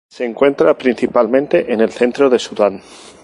Se encuentra principalmente en el centro de Sudán.